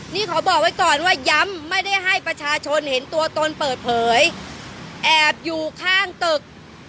นี่ขอบอกไว้ก่อนว่าย้ำไม่ได้ให้ประชาชนเห็นตัวตนเปิดเผยแอบอยู่ข้างตึก